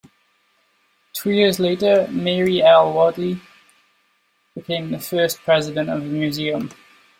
Two years later Marie L. Wadley became the first president of the museum.